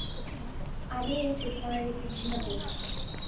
আমি এই চুতমারানি কে ঘৃণা করি।